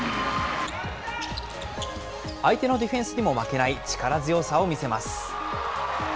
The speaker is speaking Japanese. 相手のディフェンスにも負けない力強さを見せます。